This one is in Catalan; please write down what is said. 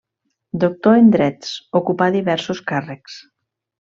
Doctor en drets, ocupà diversos càrrecs.